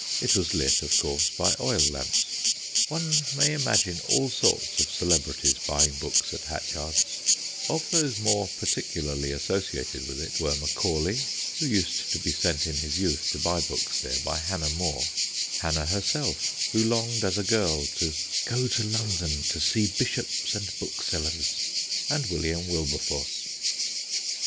It was lit, of course, by oil lamps. One may imagine all sorts of celebrities buying books at Hatchard's ; of those more particularly as sociated with it were Macaulay, who used SHOP AGAINST SHOP 261 to be sent in his youth to buy books there by Hannah More ; Hannah herself, who longed as a girl ' to go to London to see Bishops and booksellers/ and William Wil berforce.